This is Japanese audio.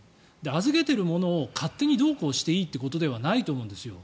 預けているものを勝手にどうこうしていいということではないと思うんですよ。